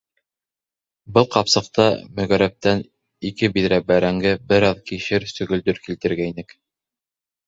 Был ҡапсыҡта мөгәрәптән ике биҙрә бәрәңге, бер аҙ кишер, сөгөлдөр килтергәйнек.